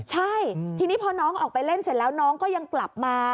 ใช่ทีนี้พอน้องออกไปเล่นเสร็จแล้วน้องก็ยังกลับมา